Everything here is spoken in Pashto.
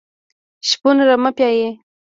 شپون رمه پیایي .